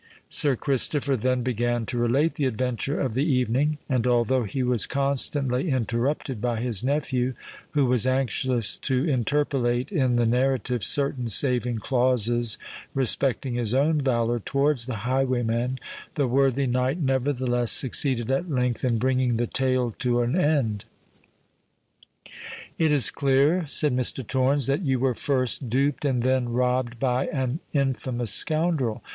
Sir Christopher then began to relate the adventure of the evening; and, although he was constantly interrupted by his nephew, who was anxious to interpolate in the narrative certain saving clauses respecting his own valour towards the highwayman, the worthy knight nevertheless succeeded at length in bringing the tale to an end. "It is clear," said Mr. Torrens, "that you were first duped and then robbed by an infamous scoundrel.